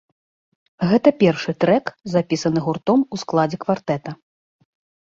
Гэта першы трэк, запісаны гуртом у складзе квартэта.